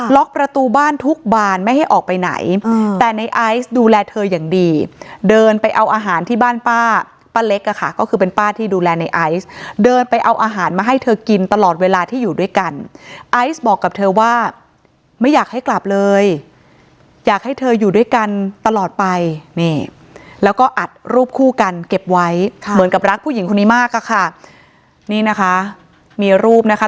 ประตูบ้านทุกบานไม่ให้ออกไปไหนแต่ในไอซ์ดูแลเธออย่างดีเดินไปเอาอาหารที่บ้านป้าป้าเล็กอ่ะค่ะก็คือเป็นป้าที่ดูแลในไอซ์เดินไปเอาอาหารมาให้เธอกินตลอดเวลาที่อยู่ด้วยกันไอซ์บอกกับเธอว่าไม่อยากให้กลับเลยอยากให้เธออยู่ด้วยกันตลอดไปนี่แล้วก็อัดรูปคู่กันเก็บไว้ค่ะเหมือนกับรักผู้หญิงคนนี้มากอะค่ะนี่นะคะมีรูปนะคะ